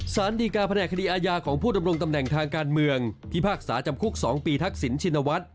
สารดีการแผนกคดีอาญาของผู้ดำรงตำแหน่งทางการเมืองพิพากษาจำคุก๒ปีทักษิณชินวัฒน์